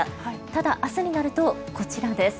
ただ、明日になるとこちらです。